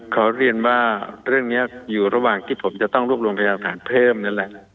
ขอเรียนว่าเรื่องนี้อยู่ระหว่างที่ผมจะต้องรวบรวมพยาฐานเพิ่มนั่นแหละ